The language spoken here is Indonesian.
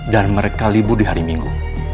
dan mereka libur di hari minggu